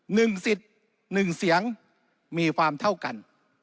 หนึ่งสิทธิ์หนึ่งเสียงมีความเท่ากัน